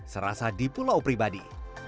serasa di pulau pribadi